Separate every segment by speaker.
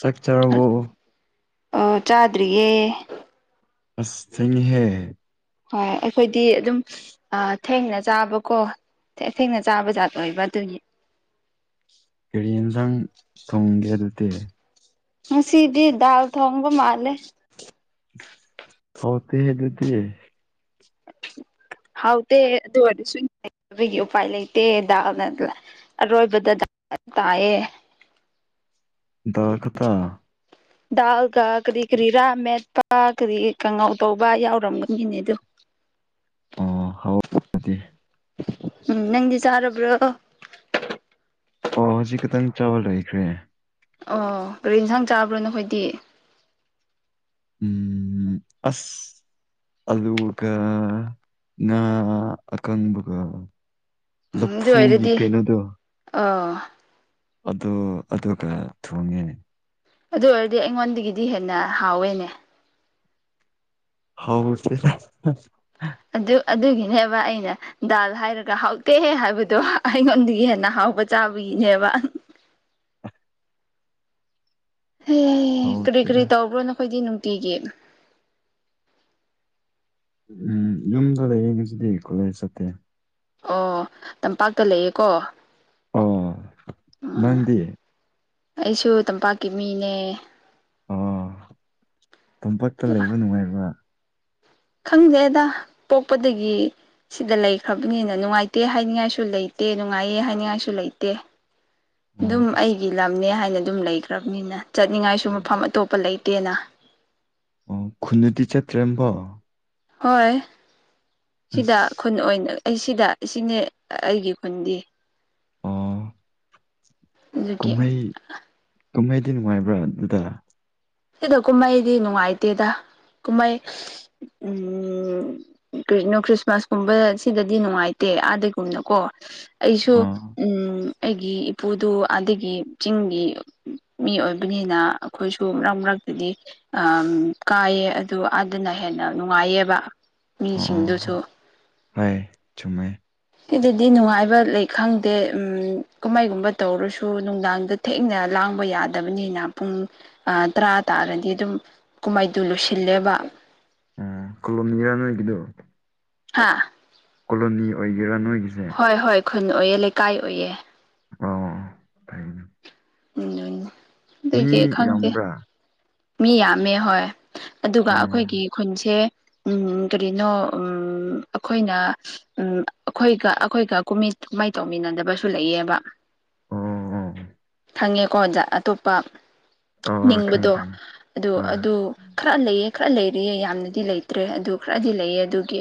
Speaker 1: ꯆꯛ ꯆꯔꯕ‌ꯣ
Speaker 2: ꯑꯥ ꯆꯥꯗ꯭ꯔꯤꯌꯦ
Speaker 1: ꯑꯁ ꯊ‌ꯦꯡꯉꯤꯍꯦ
Speaker 2: ꯍꯣꯏ ꯑꯩꯈꯣꯏꯗꯤ ꯑꯗꯨꯝ ꯑ ꯊꯦꯡꯔ ꯆꯥꯕꯀꯣ ꯊ‌ꯦꯡ ꯊꯦꯡꯅ ꯆꯥꯕ ꯖꯥꯠ ꯑꯣꯏꯕ ꯑꯗꯨꯒꯤ
Speaker 1: ꯀꯔꯤ ꯏꯟꯖꯥꯡ ꯊꯣꯡꯒꯦ ꯑꯗꯨꯗꯤ
Speaker 2: ꯉꯁꯤꯗꯤ ꯗꯥꯜ ꯊꯣꯡꯕ ꯃꯥꯜꯂꯦ
Speaker 1: ꯍꯥꯎꯇ‌ꯦ ꯑꯗꯨꯗꯤ [inaudible]
Speaker 2: ꯍꯥꯎꯇ‌ꯦ ꯑꯗꯨ ꯑꯣꯏꯔꯁꯨ [inaudible] ꯕꯒꯤ ꯎꯄꯥꯏ ꯂꯩꯇꯦ ꯗꯥꯜꯅ ꯑꯔꯣꯏꯕꯗ [unintelligible] ꯇꯥꯏꯌ‌ꯦ
Speaker 1: ꯗꯥꯜ ꯈꯇꯥ
Speaker 2: ꯗꯥꯜꯒ ꯀꯔꯤ ꯀꯔꯤ ꯔꯥ ꯃꯦꯠꯄ ꯀꯔꯤ ꯀꯥꯡꯉꯧ ꯇꯧꯕ ꯌꯥꯎꯔꯝꯒꯅꯤꯅꯦ ꯑꯗꯨ
Speaker 1: ꯑꯣ ꯍꯥꯎ [inaudible] ꯗꯤ
Speaker 2: ꯎꯝ ꯅꯪꯗꯤ ꯆꯥꯔꯕ꯭ꯔꯣ
Speaker 1: ꯑꯣ ꯍꯧꯖꯤꯛ ꯈꯇꯪ ꯆꯥꯕ ꯂꯣꯢꯈ꯭ꯔꯦ
Speaker 2: ꯑꯣ ꯀꯔꯤ ꯏꯟꯁꯥꯡ ꯆꯥꯕ꯭ꯔꯥ ꯅꯈꯣꯏꯇꯤ
Speaker 1: ꯎꯝ ꯑꯁ ꯑꯂꯨꯒ ꯉꯥ ꯑꯀꯪꯕꯒꯥ
Speaker 2: ꯎꯝ ꯑꯗꯨ ꯑꯣꯏꯔꯗꯤ ꯑꯥ
Speaker 1: ꯑꯗꯨ ꯑꯗꯨꯒ ꯊꯣꯡꯉꯦ
Speaker 2: ꯑꯗꯨ ꯑꯣꯏꯔꯗꯤ ꯑꯩꯉꯣꯟꯗꯒꯤꯗꯤ ꯍꯦꯟꯅ ꯍꯥꯎꯋꯦꯅꯦ
Speaker 1: ꯍꯥꯎꯇꯦꯗ
Speaker 2: ꯑꯗꯨ ꯑꯗꯨꯒꯤꯅꯦꯕ ꯑꯩꯅ ꯗꯥꯜ ꯍꯥꯏꯔꯒ ꯍꯥꯎꯇꯦꯍꯦ ꯍꯥꯏꯕꯗꯣ ꯑꯩꯉꯣꯟꯗꯒꯤ ꯍꯦꯟꯅ ꯍꯥꯎꯕ ꯆꯥꯕꯒꯤꯅꯦꯕ ꯍꯦ ꯀꯔꯤ ꯀꯔꯤ
Speaker 1: ꯍꯥꯎꯇꯦꯗ
Speaker 2: ꯇꯧꯕ꯭ꯔꯣ ꯅꯈꯣꯏꯗꯤ ꯅꯨꯡꯇꯤꯒꯤ
Speaker 1: ꯎꯝ ꯌꯨꯝꯗ ꯂꯩꯔꯤ ꯉꯁꯤꯗꯤ ꯀꯣꯠꯂꯦꯁ ꯆꯠꯇꯦ
Speaker 2: ꯑꯣ ꯇꯝꯄꯥꯛꯇ ꯂꯩꯌꯦꯀꯣ
Speaker 1: ꯑꯣ
Speaker 2: ꯎꯝ
Speaker 1: ꯅꯪꯗꯤ
Speaker 2: ꯑꯩꯁꯨ ꯇꯝꯄꯥꯛꯀꯤ ꯃꯤꯅꯦ
Speaker 1: ꯑꯣ ꯇꯝꯄꯥꯛꯇ ꯂꯩꯕ ꯅꯨꯡꯉꯥꯏꯕ꯭ꯔ
Speaker 2: ꯈꯪꯗꯦꯗ ꯄꯣꯛꯄꯗꯒꯤ ꯁꯤꯗ ꯂꯩꯈ꯭ꯔꯕꯅꯤꯅ ꯅꯨꯡꯉꯥꯏꯇꯦ ꯍꯥꯏꯅꯤꯡꯉꯥꯏꯁꯨ ꯂꯩꯇꯦ ꯅꯨꯡꯉꯥꯏꯌꯦ ꯍꯥꯏꯅꯤꯡꯉꯥꯏꯁꯨ ꯂꯩꯇꯦ
Speaker 1: [unintelligible]
Speaker 2: ꯗꯨꯝ
Speaker 1: ꯑꯁ
Speaker 2: ꯑꯩꯒꯤ ꯂꯝꯅꯦ ꯍꯥꯏꯅ ꯑꯗꯨꯝ ꯂꯩꯈ꯭ꯔꯕꯅꯤꯅ ꯆꯠꯅꯤꯡꯉꯥꯏꯁꯨ ꯃꯐꯝ ꯑꯇꯣꯞꯄ ꯂꯩꯇꯦꯅ
Speaker 1: ꯑꯣ ꯈꯨꯟꯗꯗꯤ ꯆꯠꯇ꯭ꯔꯦꯕꯣ
Speaker 2: ꯍꯣꯏ ꯁꯤꯗ
Speaker 1: ꯑꯁ
Speaker 2: ꯈꯨꯟ ꯑꯣꯏꯅ ꯑꯩ ꯁꯤꯗ ꯁꯤꯅꯦ ꯑꯩꯒꯤ ꯈꯨꯟꯗꯤ
Speaker 1: ꯑꯣ
Speaker 2: ꯑꯗꯨꯒꯤ
Speaker 1: ꯀꯨꯝꯍꯩ ꯀꯨꯝꯍꯩꯗꯤ ꯅꯨꯡꯉꯥꯏꯕ꯭ꯔꯥ ꯑꯗꯨꯗ
Speaker 2: ꯁꯤꯗ ꯀꯨꯝꯍꯩꯗꯤ ꯅꯨꯡꯉꯥꯏꯇꯦꯗ ꯀꯨꯝꯍꯩ ꯎꯝ ꯀꯔꯤꯅꯣ ꯈ꯭ꯔꯤꯁꯃꯥꯁ ꯀꯨꯝꯕ ꯁꯤꯗꯗꯤ ꯅꯨꯡꯉꯥꯏꯇꯦ ꯑꯗꯥꯒꯨꯝꯅꯀꯣ ꯑꯩꯁꯨ
Speaker 1: ꯑꯥ
Speaker 2: ꯎꯝ ꯑꯩꯒꯤ ꯏꯄꯨꯗꯨ ꯑꯗꯒꯤ ꯆꯤꯡꯒꯤ ꯃꯤ ꯑꯣꯏꯕꯅꯤꯅ ꯑꯈꯣꯏꯁꯨ ꯃꯔꯛ ꯃꯔꯛꯇꯗꯤ ꯑꯥ ꯀꯥꯏꯌꯦ ꯑꯗꯨ ꯑꯥꯗꯅ ꯍꯦꯟꯅ ꯅꯨꯡꯉꯥꯏꯌꯦꯕ
Speaker 1: ꯑꯣ ꯑꯣ
Speaker 2: ꯃꯤꯁꯤꯡꯗꯨꯁꯨ
Speaker 1: ꯍꯣꯏ ꯍꯣꯏ, ꯆꯨꯝꯃꯦ
Speaker 2: ꯁꯤꯗꯗꯤ ꯅꯨꯡꯉꯥꯏꯕ ꯂꯩ ꯈꯪꯗꯦ ꯎꯝ ꯀꯨꯝꯍꯩꯒꯨꯝꯕ ꯇꯧꯔꯁꯨ ꯅꯨꯡꯗꯥꯡꯗ ꯊꯦꯡꯅ ꯂꯥꯡꯕ ꯌꯥꯗꯕꯅꯤꯅ ꯄꯨꯡ ꯑꯥ ꯇꯔꯥ ꯇꯥꯔꯗꯤ ꯗꯨꯝ ꯀꯨꯝꯍꯩꯗꯨ ꯂꯣꯏꯁꯤꯜꯂꯦꯕ
Speaker 1: ꯎꯝ [unintelligible] ꯅꯣꯏꯒꯤꯗꯨ
Speaker 2: ꯍꯥꯥ
Speaker 1: ꯀꯣꯂꯣꯅꯤ ꯑꯣꯏꯒꯦꯔꯥ ꯅꯣꯏꯒꯤꯁꯦ
Speaker 2: ꯍꯣꯏ ꯍꯣꯏ ꯈꯨꯟ ꯑꯣꯏꯌꯦ ꯂꯩꯀꯥꯏ ꯑꯣꯏꯌꯦ
Speaker 1: ꯑꯣ ꯐꯩꯅꯦ
Speaker 2: [unintelligible]
Speaker 1: ꯃꯤ
Speaker 2: ꯑꯗꯨꯒꯤ ꯈꯪꯗꯦ
Speaker 1: ꯌꯥꯝꯕ꯭ꯔꯥ
Speaker 2: ꯃꯤ ꯌꯥꯝꯃꯦ ꯍꯣꯏ ꯑꯗꯨꯒ
Speaker 1: ꯎꯝ
Speaker 2: ꯑꯈꯣꯏꯒꯤ ꯈꯨꯟꯁꯦ ꯎꯝ ꯀꯔꯤꯅꯣ ꯎꯝ ꯑꯈꯣꯏꯅ ꯎꯝ ꯑꯈꯣꯏꯒ ꯑꯈꯣꯏꯒ ꯀꯨꯝꯍꯩ ꯀꯨꯝꯍꯩ ꯇꯧꯃꯤꯟꯅꯗꯕꯁꯨ ꯂꯩꯌꯦꯕ
Speaker 1: [unintelligible]
Speaker 2: ꯈꯪꯉꯦꯀꯣ ꯑꯣꯖꯥ ꯑꯇꯣꯞꯄ
Speaker 1: ꯑꯣ ꯈꯪꯉꯦ
Speaker 2: ꯅꯤꯡꯕꯗꯣ
Speaker 1: ꯈꯪꯉꯦ
Speaker 2: ꯑꯗꯨ
Speaker 1: ꯍꯣꯏ
Speaker 2: ꯑꯗꯨ ꯈꯔ ꯂꯩꯌꯦ ꯈꯔ ꯂꯩꯔꯤꯌꯦ ꯌꯥꯝꯅꯗꯤ ꯂꯩꯇ꯭ꯔꯦ ꯑꯗꯨ ꯈ꯭ꯔꯗꯤ ꯂꯩꯌꯦ ꯑꯗꯨꯒꯤ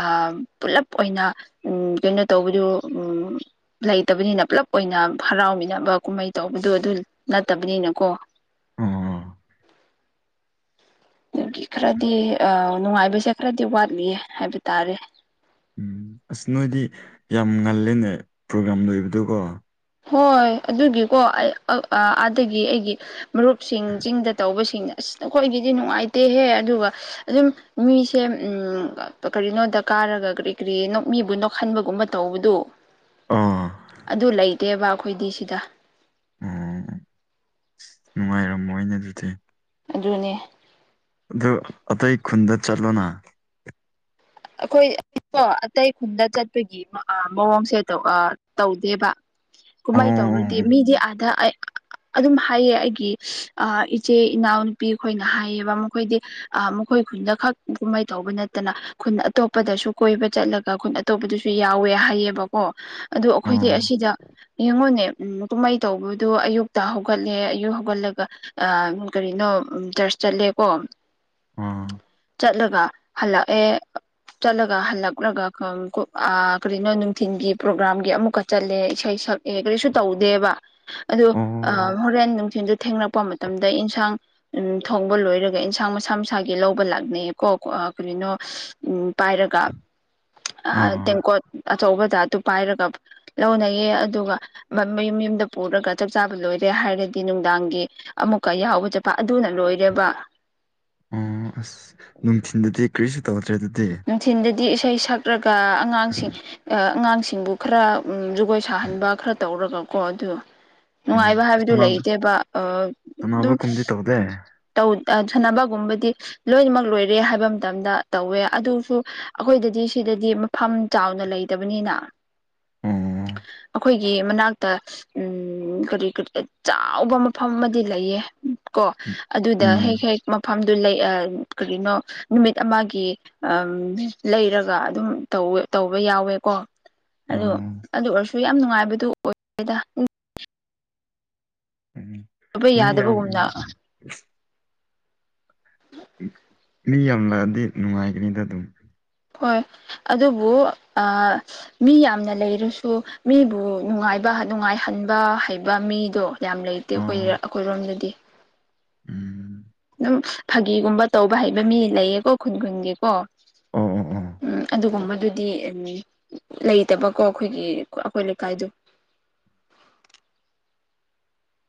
Speaker 2: ꯑꯥ ꯄꯨꯂꯞ ꯑꯣꯏꯅ ꯎꯝ ꯀꯩꯅꯣ ꯇꯧꯕꯗꯨ ꯎꯝ ꯂꯩꯇꯕꯅꯤꯅ ꯄꯨꯂꯞ ꯑꯣꯏꯅ ꯍꯔꯥꯎꯃꯤꯟꯅꯕ ꯀꯨꯝꯍꯩ ꯇꯧꯕꯗꯣ ꯑꯗꯨ ꯅꯠꯇꯕꯅꯤꯅꯀꯣ
Speaker 1: ꯑꯣ
Speaker 2: ꯒꯤ ꯈꯔꯗꯤ ꯑꯥ ꯅꯨꯡꯉꯥꯏꯕꯁꯦ ꯈꯔꯗꯤ ꯋꯥꯠꯂꯤꯌꯦ ꯍꯥꯏꯕ ꯇꯥꯔꯦ
Speaker 1: ꯎꯝ ꯑꯁ ꯅꯣꯏꯗꯤ ꯌꯥꯝ ꯉꯜꯂꯦꯅꯦ ꯄ꯭ꯔꯣꯒ꯭ꯥꯔꯥꯝ ꯂꯣꯏꯕꯗꯨꯀꯣ
Speaker 2: ꯍꯣꯏ ꯑꯗꯨꯒꯤꯀꯣ ꯑꯩ ꯑꯥꯗꯒꯤ ꯑꯩꯒꯤ ꯃꯔꯨꯞꯁꯤꯡ ꯆꯤꯡꯗ ꯇꯧꯕꯁꯤꯡ ꯑꯁ ꯅꯈꯣꯏꯒꯤꯗꯤ ꯅꯨꯡꯉꯥꯏꯇꯦꯍꯦ ꯑꯗꯨꯒ ꯑꯗꯨꯝ ꯃꯤꯁꯦ ꯎꯝ ꯀꯔꯤꯅꯣꯗ ꯀꯥꯔꯒ ꯀꯔꯤ ꯀꯔꯤ ꯃꯤꯕꯨ ꯅꯣꯛꯍꯟꯕꯒꯨꯝꯕ ꯇꯧꯕꯗꯣ
Speaker 1: ꯑꯥ
Speaker 2: ꯑꯗꯨ ꯂꯩꯇꯦꯕ ꯑꯩꯈꯣꯏꯗꯤ ꯁꯤꯗ
Speaker 1: ꯑꯣ ꯅꯨꯡꯉꯥꯏꯔꯝꯃꯣꯏꯅꯦ ꯑꯗꯨꯗꯤ
Speaker 2: ꯑꯗꯨꯅꯦ
Speaker 1: ꯑꯗꯨ ꯑꯇꯩ ꯈꯨꯟꯗ ꯆꯠꯂꯣꯅ
Speaker 2: ꯑꯩꯈꯣꯏ ꯑꯩ [unintelligible] ꯑꯇꯩ ꯈꯨꯟꯗ ꯆꯠꯄꯒꯤ ꯑꯥ ꯃꯑꯣꯡꯁꯦ ꯑꯥ ꯇꯧꯗꯦꯕ
Speaker 1: ꯑꯣ
Speaker 2: ꯀꯨꯃꯩ ꯇꯧꯔꯗꯤ ꯃꯤꯗꯤ ꯑꯙꯥ ꯑꯩ ꯑꯗꯨꯝ ꯍꯥꯏꯌꯦ ꯑꯩꯒꯤ ꯑꯥ ꯏꯆꯦ ꯏꯅꯥꯎꯅꯨꯄꯤ ꯈꯣꯏꯅ ꯍꯥꯏꯌꯦꯕ ꯃꯈꯣꯏꯗꯤ ꯑꯥ ꯃꯈꯣꯏ ꯈꯨꯟꯗ ꯈꯛ ꯀꯨꯝꯍꯩ ꯇꯧꯕ ꯅꯠꯇꯅ ꯈꯨꯟ ꯑꯇꯣꯞꯄꯗꯁꯨ ꯀꯣꯏꯕ ꯆꯠꯂꯒ ꯈꯨꯟ ꯑꯇꯣꯞꯄꯗꯁꯨ ꯌꯥꯎꯋꯦ ꯍꯥꯏꯌꯦꯕꯀꯣ ꯑꯗꯨ ꯑꯈꯣꯏꯗꯤ
Speaker 1: ꯑꯣ
Speaker 2: ꯑꯁꯤꯗ ꯌꯦꯡꯉꯨꯅꯦ ꯎꯝ ꯀꯨꯝꯍꯩ ꯇꯧꯕꯗꯨ ꯑꯌꯨꯛꯇ ꯍꯧꯒꯠꯂꯦ ꯑꯌꯨꯛ ꯍꯧꯒꯠꯂꯒ ꯑ ꯀꯔꯤꯅꯣ ꯆꯔꯆ ꯆꯠꯂꯦꯀꯣ
Speaker 1: ꯑꯣ
Speaker 2: ꯆꯠꯂꯒ ꯍꯜꯂꯛꯑꯦ ꯆꯠꯂꯒ ꯍꯜꯂꯛꯂꯒ [unintelligible] ꯀꯔꯤꯅꯣ ꯅꯨꯡꯊꯤꯟꯜꯒꯤ ꯄ꯭ꯔꯣꯒ꯭ꯔꯥꯝꯒꯤ ꯑꯃꯨꯛꯀ ꯆꯠꯂꯦ ꯏꯁꯩ ꯁꯛ ꯑꯦ ꯀꯔꯤꯁꯨ ꯇꯧꯗꯦꯕ ꯑꯗꯣ
Speaker 1: ꯑꯣ
Speaker 2: ꯑꯥ ꯍꯣꯔꯦꯟ ꯅꯨꯡꯊꯤꯟꯁꯨ ꯊꯦꯡꯔꯛꯄ ꯃꯇꯝꯗ ꯏꯟꯁꯥꯡ ꯎꯝ ꯊꯣꯡꯕ ꯂꯣꯏꯔꯒ ꯏꯟꯁꯥꯡ ꯃꯁꯥ ꯃꯁꯥꯒꯤ ꯂꯧꯕ ꯂꯥꯛꯅꯩꯌꯦ ꯀꯣ ꯀꯔꯤꯅꯣ ꯎꯝ ꯄꯥꯏꯔꯒ ꯑꯥ ꯇꯦꯡꯀꯣꯠ ꯑꯆꯧꯕ ꯖꯥꯠꯇꯨ ꯄꯥꯏꯔꯒ ꯂꯧꯅꯩꯌꯦ ꯑꯗꯨꯒ ꯃꯌꯨꯝ ꯃꯌꯨꯝꯗ ꯄꯨꯔꯒ ꯆꯞ ꯆꯥꯕ ꯂꯣꯏꯔꯦ ꯍꯥꯏꯔꯗꯤ ꯅꯨꯡꯗꯥꯡꯒꯤ ꯑꯃꯨꯛꯀ ꯌꯥꯎꯕ ꯆꯠꯄ ꯑꯗꯨꯅ ꯂꯣꯏꯔꯦꯕ
Speaker 1: ꯑꯣ ꯑꯁ ꯅꯨꯡꯊꯤꯟꯗꯗꯤ ꯀꯔꯤꯁꯨ ꯇꯧꯗ꯭ꯔꯦ ꯑꯗꯨꯗꯤ
Speaker 2: ꯅꯨꯡꯊꯤꯟꯗꯗꯤ ꯏꯁꯩ ꯁꯛꯂꯒ ꯑꯉꯥꯡꯁꯤꯡ ꯑꯥ ꯑꯉꯥꯡꯁꯤꯡꯕꯨ ꯈꯔ ꯎꯝ ꯖꯒꯣꯏ ꯁꯥꯍꯟꯕ ꯈꯔ ꯇꯧꯔꯒꯀꯣ ꯑꯗꯨ ꯅꯨꯡꯉꯥꯏꯕ
Speaker 1: ꯎꯝ
Speaker 2: ꯍꯥꯏꯕꯗꯨ
Speaker 1: ꯁꯥꯟꯅꯕ
Speaker 2: ꯂꯩꯇꯦꯕ ꯑ ꯑꯗꯨꯝ
Speaker 1: ꯁꯥꯟꯅꯕꯒꯨꯝꯗꯤ ꯇꯧꯗꯦ ꯑꯣ
Speaker 2: ꯇꯧ ꯑꯥ ꯁꯥꯟꯅꯕꯒꯨꯝꯕꯗꯤ ꯂꯣꯏꯅꯃꯛ ꯂꯣꯏꯔꯦ ꯍꯥꯏꯕ ꯃꯇꯝꯗ ꯇꯧꯋꯦ ꯑꯗꯨꯁꯨ ꯑꯈꯣꯏꯗꯗꯤ ꯁꯤꯗꯗꯤ ꯃꯐꯝ ꯆꯥꯎꯅ ꯂꯩꯇꯕꯅꯤꯅ
Speaker 1: ꯎꯝ
Speaker 2: ꯑꯩꯈꯣꯏꯒꯤ ꯃꯅꯥꯛꯇ ꯎꯝ ꯀꯔꯤ ꯀꯔꯤ ꯑꯆꯥꯎꯕ ꯃꯐꯝ ꯑꯃꯗꯤ ꯂꯩꯌꯦ ꯀꯣ ꯑꯗꯨꯗ
Speaker 1: ꯎꯝ
Speaker 2: ꯍꯦꯛ ꯍꯦꯛ ꯃꯐꯝꯗꯨ ꯂꯩ ꯑꯥ ꯀꯔꯤꯅꯣ ꯅꯨꯃꯤꯠ ꯑꯃꯒꯤ ꯑꯝ ꯂꯩꯔꯒ ꯑꯗꯨꯝ ꯇꯧꯋꯦ ꯇꯧꯕ ꯌꯥꯎꯋꯦꯀꯣ ꯑꯗꯨ
Speaker 1: ꯑꯣ
Speaker 2: ꯑꯗꯨ ꯑꯣꯏꯔꯁꯨ ꯌꯥꯝ ꯅꯨꯡꯉꯥꯏꯕꯗꯨ ꯑꯣꯏꯗꯦꯗ
Speaker 1: ꯎꯝ
Speaker 2: ꯇꯧꯕ
Speaker 1: ꯃꯤ ꯌꯥꯝ
Speaker 2: ꯌꯥꯗꯕꯒꯨꯝꯅ
Speaker 1: ꯃꯤ ꯌꯥꯝ ꯂꯛꯑꯗꯤ ꯅꯨꯡꯉꯥꯏꯒꯅꯤꯗ ꯑꯗꯨꯝ
Speaker 2: ꯍꯣꯏ ꯑꯗꯨꯕꯨ ꯑ ꯃꯤ ꯌꯥꯝꯅ ꯂꯩꯔꯁꯨ ꯃꯤꯕꯨ ꯅꯨꯡꯉꯥꯏꯕ ꯅꯨꯡꯉꯥꯏꯍꯟꯕ ꯍꯩꯕ ꯃꯤꯗꯣ ꯌꯥꯝ ꯂꯩ ꯇꯦ
Speaker 1: ꯑꯣ
Speaker 2: ꯑꯩꯈꯣꯏꯔ ꯑꯈꯣꯏꯔꯣꯝꯗꯗꯤ
Speaker 1: ꯎꯝ
Speaker 2: ꯁꯨꯝ ꯐꯥꯒꯤꯒꯨꯝꯕ ꯇꯧꯕ ꯍꯩꯕ ꯃꯤ ꯂꯩꯌꯦꯀꯣ ꯈꯨꯟ ꯈꯨꯟꯒꯤꯀꯣ
Speaker 1: ꯑꯣ ꯑꯣ ꯑꯣ
Speaker 2: ꯎꯝ ꯑꯗꯨꯒꯨꯝꯕꯗꯨꯗꯤ ꯂꯩꯇꯕꯀꯣ ꯑꯩꯈꯣꯏꯒꯤ ꯑꯩꯈꯣꯏ ꯂꯩꯀꯥꯏꯗꯣ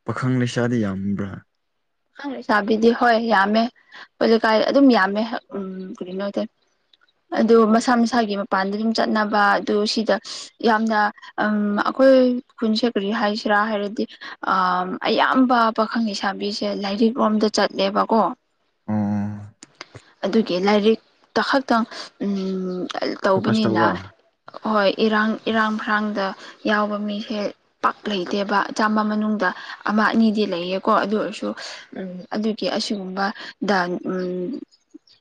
Speaker 1: ꯄꯥꯈꯪ ꯂꯩꯁꯥꯗꯤ ꯌꯥꯝꯕ꯭ꯔꯥ
Speaker 2: ꯄꯥꯈꯪ ꯂꯩꯁꯥꯕꯤꯗꯤ ꯍꯣꯏ ꯌꯥꯝꯃꯦ ꯑꯈꯣꯏ ꯂꯩꯀꯥꯏ ꯑꯗꯨꯝ ꯌꯥꯝꯃꯦ ꯎꯝ ꯀꯔꯤꯅꯣ ꯑꯗꯨ ꯃꯁꯥ ꯃꯁꯥꯒꯤ ꯃꯄꯥꯟꯗ ꯑꯗꯨꯝ ꯆꯠꯅꯕ ꯑꯗꯨ ꯁꯤꯗ ꯌꯥꯝꯅ ꯎꯝ ꯑꯩꯈꯣꯏ ꯈꯨꯟꯁꯦ ꯀꯔꯤ ꯍꯥꯏꯁꯤꯔꯥ ꯍꯥꯏꯔꯗꯤ ꯑꯥ ꯑꯌꯥꯝꯕ ꯄꯥꯈꯪ ꯂꯩꯁꯥꯕꯤ ꯁꯦ ꯂꯥꯏꯔꯤꯛ ꯂꯣꯝꯗ ꯆꯠꯂꯦꯕꯀꯣ
Speaker 1: ꯑꯣ
Speaker 2: ꯑꯗꯨꯒꯤ ꯂꯥꯏꯔꯤꯛꯇ ꯈꯛꯇꯪ ꯎꯝ
Speaker 1: ꯐꯣꯀꯁ
Speaker 2: ꯇꯧꯕꯅꯤꯅ
Speaker 1: ꯇꯧꯕ
Speaker 2: ꯍꯣꯏ ꯏꯔꯥꯡ ꯏꯔꯥꯡ ꯐꯔꯥꯡꯗ ꯌꯥꯎꯕ ꯃꯤꯁꯦ ꯄꯥꯛ ꯂꯩꯇꯦꯕ ꯆꯥꯝꯃ ꯃꯅꯨꯡꯗ ꯑꯃ ꯑꯅꯤꯗꯤ ꯂꯩꯌꯦꯀꯣ ꯑꯗꯨ ꯑꯣꯏꯔꯁꯨ ꯎꯝ ꯑꯗꯨꯒꯤ ꯑꯁꯤꯒꯨꯝꯕꯗ ꯎꯝ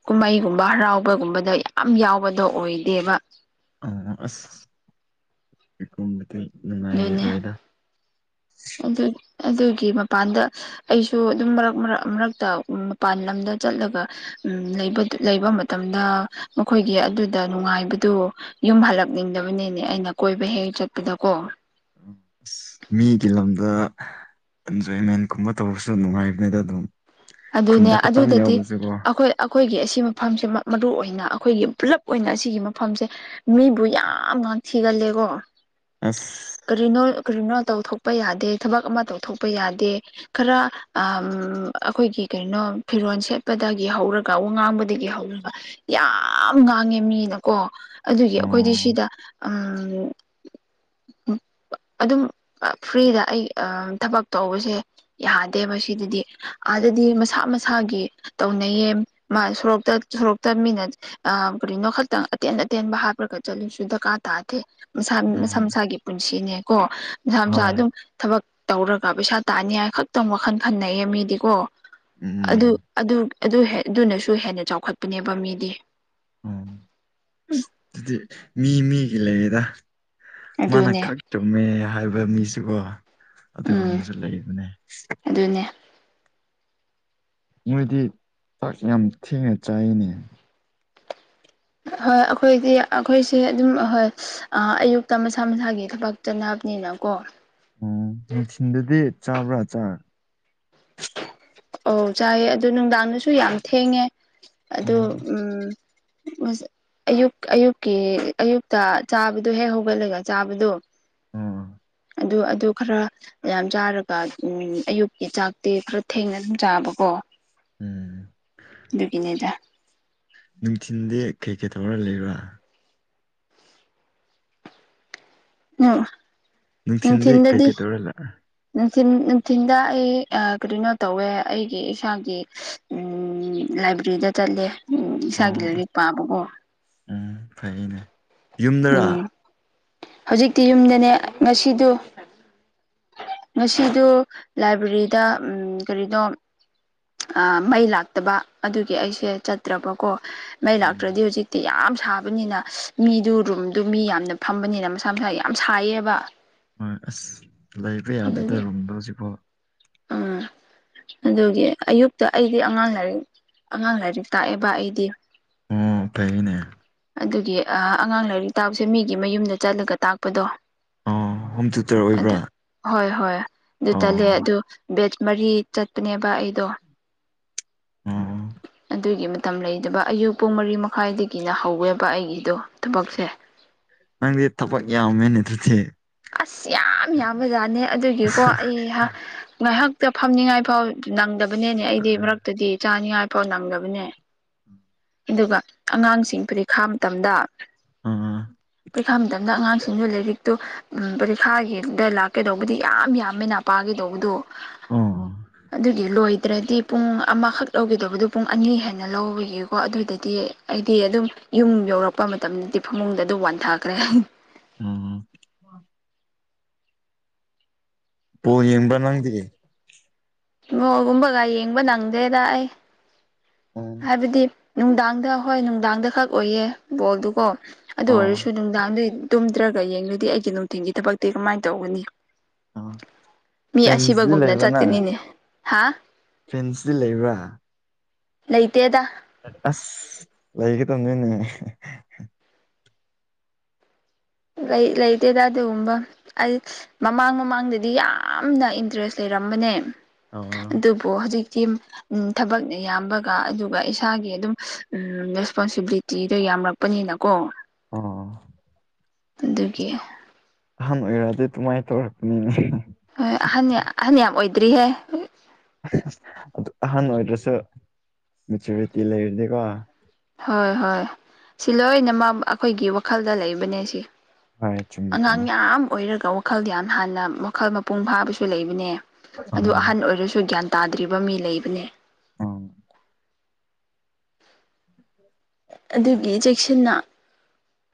Speaker 2: ꯀꯨꯝꯍꯩꯒꯨꯝꯕ ꯍꯔꯥꯎꯕꯒꯨꯝꯕꯗ ꯌꯥꯝ ꯌꯥꯎꯕꯗꯣ ꯑꯣꯏꯗꯦꯕ
Speaker 1: ꯎꯝ ꯑꯁ ꯂꯩꯈꯣꯝꯗꯗꯤ
Speaker 2: ꯑꯗꯨꯅꯦ
Speaker 1: ꯅꯨꯡꯉꯥꯏꯔꯣꯏꯗ [unintelligible]
Speaker 2: ꯑꯗꯨ ꯑꯗꯨꯒꯤ ꯃꯄꯥꯟꯗ ꯑꯩꯁꯨ ꯑꯗꯨꯝ ꯃꯔꯛ ꯃꯔꯛ ꯃꯔꯛꯇ ꯃꯄꯥꯟ ꯂꯝꯗ ꯆꯠꯂꯒ ꯎꯝ ꯂꯩꯕ ꯃꯇꯝꯗ ꯃꯈꯣꯏꯒꯤ ꯑꯗꯨꯗ ꯅꯨꯡꯉꯥꯏꯕꯗꯨ ꯌꯨꯝ ꯍꯜꯂꯛꯅꯤꯡꯗꯕꯅꯤꯅꯦ ꯑꯩꯅ ꯀꯣꯏꯕ ꯍꯦꯛ ꯆꯠꯄꯗꯀꯣ
Speaker 1: ꯎꯝ ꯑꯁ ꯃꯤꯒꯤ ꯂꯝꯗ ꯖꯦꯑꯦꯅꯦꯟ ꯀꯨꯝꯕ ꯇꯧꯕꯁꯨ ꯅꯨꯡꯉꯥꯏꯕꯅꯤꯗ ꯑꯗꯨꯝ
Speaker 2: ꯑꯗꯨꯅꯦ
Speaker 1: ꯈꯨꯟꯗ ꯈꯛꯇꯪ
Speaker 2: ꯑꯗꯨꯗꯗꯤ
Speaker 1: ꯌꯥꯎꯕꯁꯦꯀꯣ
Speaker 2: ꯑꯩꯈꯣꯏ ꯑꯩꯈꯣꯏꯒꯤ ꯑꯁꯤ ꯃꯐꯝꯁꯦ ꯃꯔꯨ ꯑꯣꯏꯅ ꯑꯩꯈꯣꯏꯒꯤ ꯄꯨꯂꯞ ꯑꯣꯏꯅ ꯑꯁꯤꯒꯤ ꯃꯐꯝꯁꯦ ꯃꯤꯕꯨ ꯌꯥꯝ ꯉꯥꯡ ꯊꯤꯒꯜꯂꯦꯀꯣ
Speaker 1: ꯑꯁ
Speaker 2: ꯀꯔꯤꯅꯣ ꯀꯔꯤꯅꯣꯜ ꯇꯧꯊꯣꯛꯄ ꯌꯥꯗꯦ ꯊꯕꯛ ꯑꯃ ꯇꯧꯊꯣꯛꯄ ꯌꯥꯗꯦ ꯈꯔ ꯑꯥ ꯎꯝ ꯑꯩꯈꯣꯏꯒꯤ ꯀꯩꯅꯣ ꯐꯤꯔꯣꯜ ꯁꯦꯠꯄꯗꯒꯤ ꯍꯧꯔꯒ ꯋꯥ ꯉꯥꯡꯕꯗꯒꯤ ꯍꯧꯔꯒ ꯌꯥꯝ ꯉꯥꯡꯉꯦ ꯃꯤꯅꯀꯣ ꯑꯗꯨꯒꯤ ꯑꯩꯈꯣꯏꯗꯤ
Speaker 1: ꯑꯣ
Speaker 2: ꯁꯤꯗ ꯎꯝ ꯑꯗꯨꯝ ꯐ꯭ꯔꯤꯗ ꯑꯩ ꯑꯥ ꯊꯕꯛ ꯇꯧꯕꯁꯦ ꯌꯥꯗꯦꯕ ꯁꯤꯗꯗꯤ ꯑꯥꯗꯗꯤ ꯃꯁꯥ ꯃꯁꯥꯒꯤ ꯇꯧꯅꯩꯌꯦ ꯃꯥ ꯁꯣꯔꯣꯛꯇ ꯁꯣꯔꯣꯛꯇ ꯃꯤꯅ ꯑꯥ ꯀꯔꯤꯅꯣ ꯈꯛꯇꯪ ꯑꯇꯦꯟ ꯑꯇꯦꯟꯕ ꯍꯥꯞꯄ꯭ꯔꯒ ꯆꯠꯂꯨꯁꯨ ꯗꯔꯀꯥꯔ ꯇꯥꯗꯦꯁꯥ ꯃꯁꯥ
Speaker 1: ꯎꯝ
Speaker 2: ꯃꯁꯥꯒꯤ ꯄꯨꯟꯁꯤꯅꯦꯀꯣ ꯃꯁꯥ ꯃꯁꯥ
Speaker 1: ꯍꯣꯏ
Speaker 2: ꯑꯗꯨꯝ ꯊꯕꯛ ꯇꯧꯔꯒ ꯄꯩꯁꯥ ꯇꯥꯅꯤ ꯍꯥꯏ ꯈꯛꯇꯪ ꯋꯥꯈꯜ ꯈꯟꯅꯩꯌꯦ ꯃꯤꯗꯤ ꯀꯣ ꯑꯗꯨ
Speaker 1: ꯎꯝ
Speaker 2: ꯑꯗꯨ ꯑꯗꯨ ꯑꯗꯨꯅꯁꯨ ꯍꯦꯟꯅ ꯆꯥꯎꯈꯠꯄꯅꯦꯕ ꯃꯤꯗꯤ
Speaker 1: ꯑꯣ ꯑꯗꯨꯗꯤ ꯃꯤ ꯃꯤꯒꯤ ꯂꯩꯌꯦꯗ ꯃꯥꯅ
Speaker 2: ꯑꯗꯨꯅꯦ
Speaker 1: ꯈꯛ ꯆꯨꯝꯃꯦ ꯍꯥꯏꯕ ꯃꯤꯁꯨꯀꯣ
Speaker 2: ꯎꯝ
Speaker 1: ꯑꯗꯨꯒꯨꯝꯕꯁꯨ ꯂꯩꯕꯅꯦ
Speaker 2: ꯑꯗꯨꯅꯦ
Speaker 1: ꯃꯣꯏꯗꯤ ꯆꯥꯛ ꯌꯥꯝ ꯊꯦꯡꯅ ꯆꯥꯏꯅꯦ
Speaker 2: ꯍꯣꯏ ꯑꯩꯈꯣꯏꯗꯤ ꯑꯩꯈꯣꯏꯁꯦ ꯑꯗꯨꯝ ꯑꯍꯣꯏ ꯑꯥ ꯑꯌꯨꯛꯇ ꯃꯁꯥ ꯃꯁꯥꯒꯤ ꯊꯕꯛ ꯆꯠꯅꯕꯅꯤꯅ ꯀꯣ
Speaker 1: ꯑꯣ ꯅꯨꯡꯊꯤꯟꯗꯗꯤ ꯆꯥꯕ꯭ꯔꯥ ꯆꯥꯛ
Speaker 2: ꯑꯣ ꯆꯥꯏꯌꯦꯦ ꯑꯗꯨꯣ ꯅꯨꯡꯗꯥꯡꯗꯁꯨ ꯌꯥꯝ ꯊꯦꯡꯉꯦ ꯑꯗꯨ
Speaker 1: ꯑꯣ
Speaker 2: ꯎꯝ ꯑꯌꯨꯛ ꯑꯌꯨꯛꯀꯤ ꯑꯌꯨꯛꯇ ꯆꯥꯕꯗꯨꯣ ꯍꯦꯛ ꯍꯧꯒꯠꯂꯒ ꯆꯥꯕꯗꯣ
Speaker 1: ꯎꯝ
Speaker 2: ꯑꯗꯨ ꯑꯗꯨ ꯈꯔ ꯌꯥꯝ ꯆꯥꯔꯒ ꯎ ꯑꯌꯨꯛꯀꯤ ꯆꯥꯛꯇꯤ ꯈꯔ ꯊꯦꯡꯅ ꯆ ꯑꯕ ꯀꯣ
Speaker 1: ꯎꯝ
Speaker 2: ꯗꯨ ꯀꯅꯤꯗ
Speaker 1: ꯅꯨꯡꯊꯤꯟꯗꯤ ꯀꯩꯀꯩ ꯇꯧꯔ ꯂꯩꯕ꯭ꯔꯥ
Speaker 2: ꯎꯝ ꯎꯝ ꯊꯤꯟꯗꯗꯤ
Speaker 1: ꯂ
Speaker 2: ꯅꯨꯡꯊꯤꯟ ꯅꯨꯡꯊꯤꯤꯟꯗ ꯑꯩ ꯀꯔꯤꯅꯣ ꯇꯧꯋꯦ ꯑꯩꯒꯤ ꯏꯁꯥꯒꯤ ꯎꯝ ꯂꯥꯏꯕ꯭ꯔꯦꯔꯤꯗ ꯆꯠꯂꯦ ꯎ ꯏꯁꯥꯒꯤ
Speaker 1: ꯑꯣ ꯑꯁ
Speaker 2: ꯂꯥꯏꯔꯤꯛ ꯄꯥꯕꯀꯣ
Speaker 1: ꯎꯝ ꯐꯩꯅꯦ
Speaker 2: ꯎꯝ
Speaker 1: ꯌꯨꯝꯗꯔꯥ
Speaker 2: ꯍꯧꯖꯤꯛꯇꯤ ꯌꯨꯝꯗꯅꯦ ꯉꯁꯤꯗꯨ ꯉꯁꯤꯗꯨ ꯂꯥꯏꯕ꯭ꯔꯦꯔꯤꯗ ꯎꯝ ꯀꯔꯤꯅꯣ ꯑ ꯃꯩꯂꯥꯛꯇꯕ ꯑꯗꯨꯒꯤ ꯉꯩꯁꯩ ꯆꯠ ꯇ꯭ꯔꯕꯀꯣ ꯃꯩ
Speaker 1: ꯎꯝ
Speaker 2: ꯂꯥꯛꯇ꯭ꯔꯗꯤ ꯍꯧꯖꯤꯛꯇꯤ ꯌꯥꯝ ꯁꯥꯕꯅꯤꯅ ꯃꯤꯗꯨ ꯔꯨꯝꯗꯨ ꯃꯤ ꯌꯥꯝꯅ ꯐꯝꯕꯅꯤꯅ ꯃꯁꯥ ꯃꯁꯥ ꯌꯥꯝ ꯁꯥꯏꯌꯦꯕ
Speaker 1: ꯍꯣꯏ ꯑꯁ ꯂꯩꯕ ꯌꯥꯗꯦꯗ
Speaker 2: ꯑꯗꯨꯒꯤ
Speaker 1: ꯔꯣꯝꯗ ꯍꯧꯖꯤꯛꯐꯥꯎ
Speaker 2: ꯎꯝ ꯑꯗꯨꯒꯤ ꯑꯌꯨꯛꯇ ꯑꯩꯗꯤ ꯑꯉꯥꯡ ꯂꯥꯏꯔꯤꯛ ꯑꯉꯥꯡ ꯂꯥꯏꯔꯤꯛ ꯇꯥꯛꯑꯦꯕ ꯑꯩꯗꯤ
Speaker 1: ꯑꯣ ꯐꯩꯅꯦ
Speaker 2: ꯑꯗꯨꯒꯤ ꯑꯉꯥꯡ ꯂꯥꯏꯔꯤꯛ ꯇꯥꯛꯁꯦ ꯃꯤꯒꯤ ꯃꯌꯨꯝꯗ ꯆꯠꯂꯒ ꯇꯥꯛꯄꯗꯣ
Speaker 1: ꯑ ꯍꯣꯝ ꯇꯌꯨꯇꯔ ꯑꯣꯏꯕ꯭ꯔꯥ
Speaker 2: ꯑꯗꯨ ꯍꯣꯏ ꯍꯣꯏ ꯑꯗꯨ ꯇꯠꯂꯦ
Speaker 1: ꯑꯣ
Speaker 2: ꯑꯗꯨ ꯕꯦꯠ ꯃꯔꯤ ꯆꯠꯄꯅꯦꯕ ꯑꯩꯗꯣ
Speaker 1: ꯎꯝ
Speaker 2: ꯑꯗꯨꯒꯤ ꯃꯇꯝ ꯂꯩꯗꯕ ꯑꯌꯨꯛ ꯄꯨꯡ ꯃꯔꯤ ꯃꯈꯥꯏꯗꯒꯤꯅ ꯍꯧꯋꯦꯕ ꯑꯩꯒꯤꯗꯣ ꯊꯕꯛꯁꯦ
Speaker 1: ꯅꯪꯗꯤ ꯊꯕꯛ ꯌꯥꯝꯃꯦꯅꯦ ꯑꯗꯨ꯭ꯔꯁꯦ
Speaker 2: ꯑꯁ ꯌꯥꯝ ꯌꯥꯝ ꯕꯖꯥꯠꯅꯦ ꯑꯗꯨꯒꯤꯀꯣ ꯑꯩ ꯉꯥꯏꯍꯥꯛꯇ ꯐꯝꯅꯤꯡꯉꯥꯏ ꯐꯥꯎ ꯅꯪꯗꯕꯅꯦꯅꯦ ꯑꯩꯗꯤ ꯃꯔꯛꯇꯗꯤ ꯆꯥꯅꯤꯉꯥꯏ ꯐꯥꯎ ꯅꯪꯗꯕꯅꯦ ꯑꯗꯨꯒ ꯑꯉꯥꯡꯁꯤꯡ ꯄꯨꯔꯤꯈꯥ ꯃꯇꯝꯗ
Speaker 1: ꯑꯥ
Speaker 2: ꯄꯔꯤꯈꯥ ꯃꯇꯝꯗ ꯑꯉꯥꯡꯁꯤꯡꯁꯨ ꯂꯥꯏꯔꯤꯛꯇꯨ ꯎꯝ ꯄꯔꯤꯈꯥꯒꯤꯗ ꯂꯥꯛꯀꯦꯗꯧꯕꯗꯤ ꯌꯥꯝ ꯌꯥꯝꯃꯤꯅꯄꯥꯥꯒꯗꯧꯕꯗꯣ
Speaker 1: ꯑꯣ
Speaker 2: ꯑꯗꯨꯒꯤ ꯂꯣꯏꯗ꯭ꯔꯗꯤ ꯄꯨꯡ ꯑꯃꯈꯛ ꯂꯧꯒꯗꯧꯕꯗꯨ ꯄꯨꯡ ꯑꯅꯤ ꯍꯦꯟꯅ ꯂꯧꯕꯒꯤꯀꯣ ꯑꯗꯨꯗꯗꯤ ꯑꯩꯗꯤ ꯑꯗꯨꯝ ꯌꯨꯝ ꯌꯧꯔꯛꯄ ꯃꯇꯝꯗꯗꯤ ꯐꯃꯨꯡꯗ ꯑꯗꯨ ꯋꯥꯟꯊꯈ꯭ꯔꯦ
Speaker 1: ꯎꯝ ꯄꯣ ꯌꯦꯡꯕ ꯅꯪꯗ꯭ꯔꯤ
Speaker 2: ꯍꯒꯣꯜꯒꯨꯝꯕꯒ ꯌꯦꯡꯕ ꯅꯪꯗꯦꯗ ꯑꯩ
Speaker 1: ꯎꯝ
Speaker 2: ꯍꯥꯏꯕꯗꯤ ꯅꯨꯡꯗꯥꯡꯗ ꯍꯣꯏ ꯅꯨꯡꯗꯥꯡꯗ ꯈꯛ ꯑꯣꯏꯌꯦ ꯕꯣꯜꯗꯨꯀꯣ ꯑꯗꯨ ꯑꯣꯏꯔꯁꯨ
Speaker 1: ꯑꯣ
Speaker 2: ꯅꯨꯡꯗꯥꯡꯗ ꯇꯨꯝꯗ꯭ꯔꯒ ꯌꯦꯡꯉꯗꯤ ꯑꯩꯒꯤ ꯅꯨꯡꯊꯤꯟꯒꯤ ꯊꯕꯛꯇꯤ ꯀꯃꯥꯏꯅ ꯇꯧꯒꯅꯤ
Speaker 1: ꯑꯣ
Speaker 2: ꯃꯤ
Speaker 1: ꯐꯦꯟꯁꯇꯤ
Speaker 2: ꯑꯁꯤꯕꯒꯨꯝꯅ ꯆꯠꯀꯅꯤꯅꯦ ꯍꯥ
Speaker 1: ꯐ꯭ꯔꯦꯟꯁꯇꯤ ꯂꯩꯕ꯭ꯔꯥ
Speaker 2: ꯂꯩꯇꯦꯗ
Speaker 1: ꯑꯁ ꯂꯩꯒꯗꯕꯅꯤꯅꯦꯍꯦ
Speaker 2: ꯂꯩ ꯂꯩꯇꯦꯗ ꯑꯗꯨꯒꯨꯝꯕ ꯑꯩ ꯃꯃꯥꯡ ꯃꯃꯥꯡꯗꯗꯤ ꯌꯥꯝꯅ ꯏꯟꯇꯔꯦꯁ ꯂꯩꯔꯝꯕꯅꯦ
Speaker 1: ꯑꯣ
Speaker 2: ꯑꯣ ꯍꯧꯖꯤꯛꯇꯤ ꯎꯝ ꯊꯕꯛꯅ ꯌꯥꯝꯕꯒ ꯑꯗꯨꯒ ꯏꯁꯥꯒꯤ ꯑꯗꯨꯝ ꯎꯝ ꯔꯦꯁꯄꯣꯟꯁꯤꯕꯤꯂꯤꯇꯤꯗꯣ ꯌꯥꯝꯔꯛꯄ ꯄꯅꯤꯅꯀꯣ
Speaker 1: ꯑꫭ
Speaker 2: ꯑꯗꯨꯒꯤ
Speaker 1: ꯑꯍꯟ ꯑꯣꯏꯔꯛꯑꯗꯤ ꯑꯗꯨꯃꯥꯏꯅ ꯇꯧꯔꯛꯄꯅꯤꯅꯦ
Speaker 2: ꯍꯣꯏ ꯑꯍꯟꯅꯦ ꯑꯍꯟ ꯌꯥꯝ ꯑꯣꯏꯗ꯭ꯔꯤꯍꯦ
Speaker 1: ꯑꯗꯨ ꯑꯍꯟ ꯑꯣꯏꯔꯗ꯭ꯔꯁꯨ ꯃꯦꯆꯨꯔꯤꯇꯤ ꯂꯩꯔꯗꯤꯀꯣ
Speaker 2: ꯍꯣꯏ ꯍꯣꯏ ꯁꯤ ꯂꯣꯏꯅꯃꯛ ꯑꯩꯈꯣꯏꯒꯤ ꯋꯥꯈꯜꯗ ꯂꯩꯕꯅꯦ ꯁꯤ
Speaker 1: ꯍꯣꯏ ꯆꯨꯝꯃꯦ
Speaker 2: ꯑꯉꯥꯡ
Speaker 1: ꯆꯨꯝꯃꯦ
Speaker 2: ꯌꯥꯝ ꯑꯣꯏꯔꯒ ꯋꯥꯈꯜꯗꯤ ꯌꯥꯝ ꯍꯥꯟꯅ ꯋꯥꯈꯜ ꯃꯄꯨꯡ ꯐꯥꯕꯁꯨ ꯂꯩꯕꯅꯦ ꯑꯗꯨ
Speaker 1: ꯎꯝ
Speaker 2: ꯑꯍꯟ ꯑꯣꯏꯔꯁꯨ ꯒ꯭ꯌꯥꯟ ꯇꯥꯗ꯭ꯔꯤꯕ ꯃꯤ ꯂꯩꯕꯅꯦ
Speaker 1: ꯎꯝ
Speaker 2: ꯑꯗꯨꯒꯤ ꯆꯦꯛꯁꯤꯟꯅ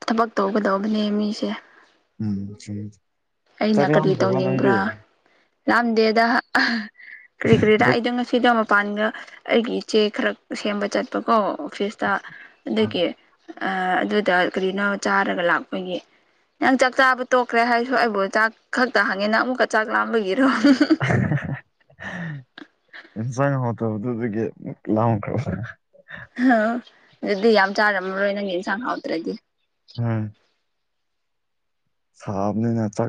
Speaker 2: ꯊꯕꯛ ꯇꯧꯒꯗꯧꯕꯅꯦ ꯃꯤꯁꯦ
Speaker 1: ꯎꯝ ꯆꯨꯝꯃꯤ
Speaker 2: ꯑꯩꯅ ꯀꯔꯤ ꯇꯧꯅꯤꯡꯕ꯭ꯔꯥ ꯂꯥꯛꯑꯝꯗꯦꯗ ꯀꯔꯤ ꯀꯔꯤꯗꯥ ꯑꯩꯗꯣ ꯉꯁꯤꯗꯣ ꯄꯥꯟꯒ ꯑꯩꯒꯤ ꯏꯆꯦ ꯈꯔ ꯁꯦꯝꯕ ꯆꯠꯄꯀꯣ ꯑꯣꯐꯤꯁꯇ ꯑꯗꯨꯒꯤ ꯑ ꯑꯗꯨꯗ ꯀꯔꯤꯅꯣ ꯆꯥꯔꯒ ꯂꯥꯛꯄꯒꯤ ꯅꯪ ꯆꯥꯛ ꯆꯥꯕ ꯇꯣꯛꯈ꯭ꯔꯦ ꯍꯥꯏ ꯑꯩꯕꯨ ꯆꯥꯛ ꯈꯛꯇ ꯍꯥꯡꯉꯦꯅ ꯑꯃꯨꯛꯀ ꯆꯥꯛ ꯂꯥꯝꯕꯒꯤꯔꯣ
Speaker 1: ꯏꯟꯁꯥꯡ ꯍꯥꯎꯇꯕꯗꯨꯗꯒꯤ ꯂꯝꯈ꯭ꯔꯕ
Speaker 2: ꯑꯗꯨꯗꯤ ꯌꯥꯝ ꯆꯥꯔꯝꯃꯔꯣꯏ ꯅꯪ ꯌꯦꯟꯁꯥꯡ ꯍꯥꯎꯗ꯭ꯔꯗꯤ
Speaker 1: ꯎꯝ ꯁꯥꯕꯅꯦꯅ ꯆꯥꯛ